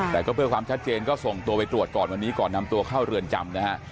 แต่ก็เพื่อความชัดเจนก็ส่งตัวไปตรวจก่อนวันนี้ก่อนนำตัวเข้าเรือนจำนะฮะ